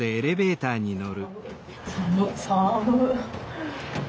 寒っ。